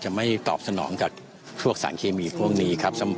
ไม่ตอบสนองกับพวกสารเคมีพวกนี้ครับ